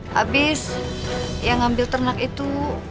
ya abis yang ngambil ternak itu